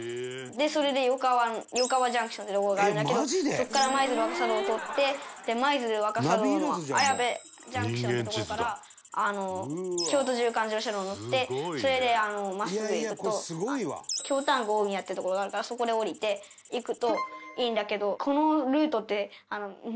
それで吉川ジャンクションっていう所があるんだけどそこから舞鶴若狭道を通って舞鶴若狭道の綾部ジャンクションの所から京都縦貫自動車道に乗ってそれで真っすぐ行くと京丹後大宮っていう所があるからそこで降りて行くといいんだけど。